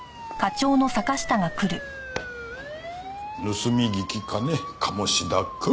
盗み聞きかね鴨志田くん。